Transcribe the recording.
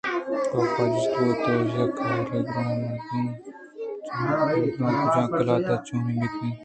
"کاف چِست بوت ءُپہ ابکہی دوئیں مردم چاراِت اَنتءُپدا درّائینت ""کجام قلات ءُ چونیں میتگ؟ اِد ءَ دگہ قلاتے ہم است؟ بے شک است"